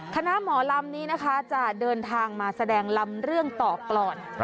คณะหมอลำนี้นะคะจะเดินทางมาแสดงลำเรื่องต่อก่อน